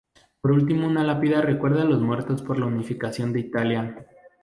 Por último una lápida recuerda los muertos por la Unificación de Italia.